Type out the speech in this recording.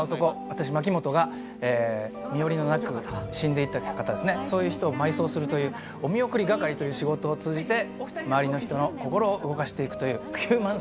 私牧本が身寄りのなく死んでいった方ですねそういう人を埋葬するというおみおくり係という仕事を通じて周りの人の心を動かしていくというヒューマンストーリーです。